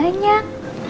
ya canggih tsunggu